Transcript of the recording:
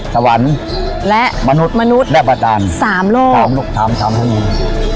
สวรรค์และมนุษย์และประจานสามโลกสามธุรกิจสามธุรกิจสามธุรกิจ